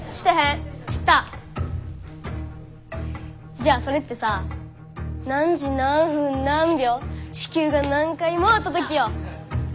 じゃあそれってさ何時何分何秒地球が何回回った時よ？